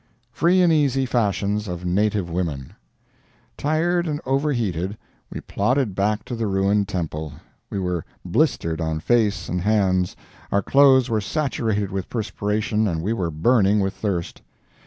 FREE AND EASY FASHIONS OF NATIVE WOMEN Tired and over heated, we plodded back to the ruined temple. We were blistered on face and hands, our clothes were saturated with perspiration and we were burning with thirst.